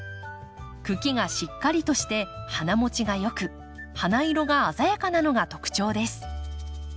茎がしっかりとして花もちが良く花色が鮮やかなのが特徴です。